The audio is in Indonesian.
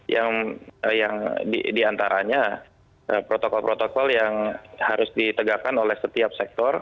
yang diantaranya protokol protokol yang harus ditegakkan oleh setiap sektor